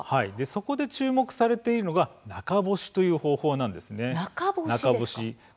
そこで注目されているのが「中干し」という方法なんです。